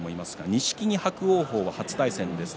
錦木、伯桜鵬は初対戦です。